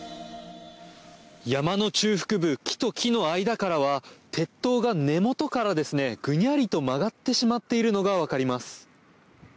山の中腹部木と木の間からは鉄塔が根元からぐにゃりと曲がってしまっているのが分かります。